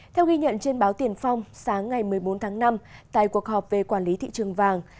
theo ghi nhận trên báo tiền phong sáng ngày một mươi bốn tháng năm tại cuộc họp về quản lý thị trường vàng